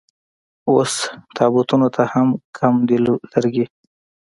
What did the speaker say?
اوس تابوتونو ته هم کم دي لرګي